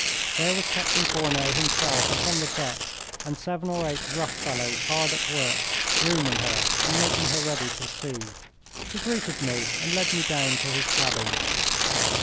There was Captain Fourneau himself upon the deck, and seven or eight rough fellows hard at work grooming her and making her ready for sea. He greeted me and led me down to his cabin.